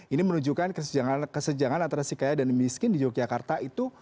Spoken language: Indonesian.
ini menunjukkan kesenjangan antara si kaya dan miskin di yogyakarta itu